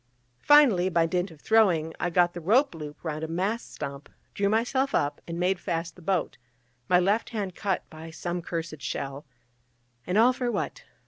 Finally, by dint of throwing, I got the rope loop round a mast stump, drew myself up, and made fast the boat, my left hand cut by some cursed shell: and all for what?